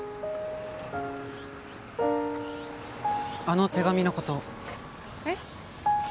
あの手紙のことえっ？